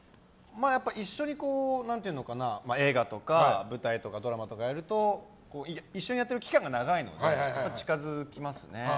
やっぱり、一緒に映画とか舞台とかドラマとかやると一緒にやってる期間が長いので近づきますね。